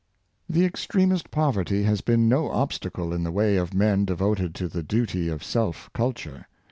The extremest poverty has been no obstacle in the way of men devoted to the duty of self culture.